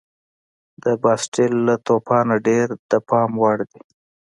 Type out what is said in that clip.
د باسټیل له توپانه ډېر د پام وړ دي.